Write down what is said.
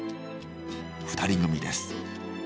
２人組です。